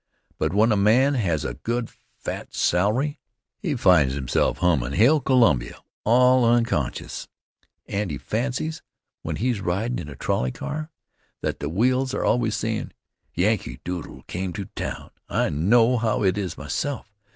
But, when a man has a good fat salary, he finds himself hummin' "Hail Columbia," all unconscious and he fancies, when he's ridin' in a trolley car, that the wheels are always sayin': "Yankee Doodle Came to Town." I know how it is myself.